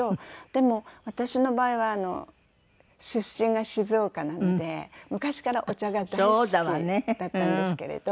でも私の場合は出身が静岡なので昔からお茶が大好きだったんですけれど。